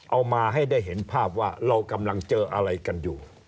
เอามาให้ได้เห็นภาพว่าเรากำลังเจออะไรกันอยู่